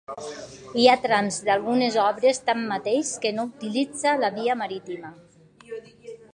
Hi ha trams d'algunes obres, tanmateix, que no utilitza la via marítima.